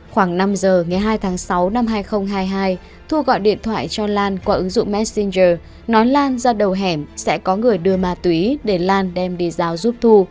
khoảng năm giờ ngày hai tháng sáu năm hai nghìn hai mươi hai thu gọi điện thoại cho lan qua ứng dụng messenger nó lan ra đầu hẻm sẽ có người đưa ma túy để lan đem đi giao giúp thu